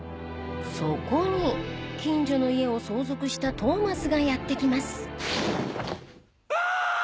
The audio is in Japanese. そこに近所の家を相続したトーマスがやって来ますあ！